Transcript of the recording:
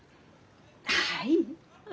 はい。